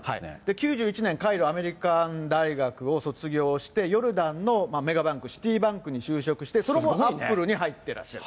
９１年、カイロ・アメリカン大学を卒業して、ヨルダンのメガバンク、シティバンクに就職して、その後、アップルに入ってらっしゃる。